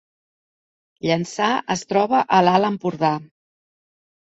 Llançà es troba a l’Alt Empordà